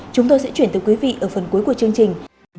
chúng tôi sẽ chuyển tới quý vị ở phần cuối của chương trình